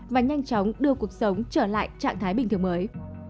và nhanh chóng đưa cuộc sống trở lại trạng thái bình thường mới